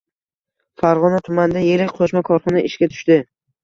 Farg‘ona tumanida yirik qo‘shma korxona ishga tushdi